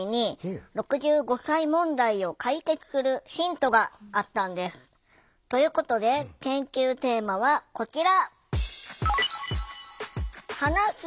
でも実はですねということで研究テーマはこちら！